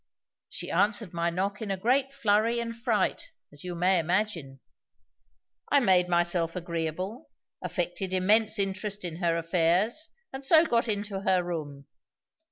She answered my knock in a great flurry and fright, as you may imagine. I made myself agreeable, affected immense interest in her affairs, and so got into her room.